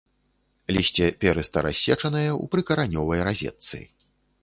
Лісце перыста-рассечанае ў прыкаранёвай разетцы.